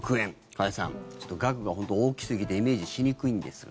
加谷さん額がちょっと大きすぎてイメージしにくいんですが。